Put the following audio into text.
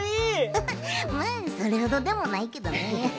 フフッそれほどでもないけどね。